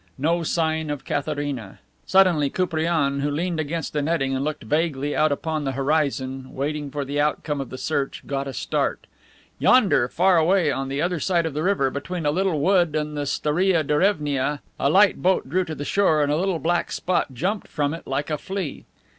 No sign of Katharina. Suddenly Koupriane, who leaned against a netting and looked vaguely out upon the horizon, waiting for the outcome of the search, got a start. Yonder, far away on the other side of the river, between a little wood and the Staria Derevnia, a light boat drew to the shore, and a little black spot jumped from it like a flea.